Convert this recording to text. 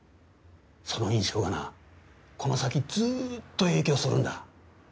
その印象がなこの先ずっと影響するんだ。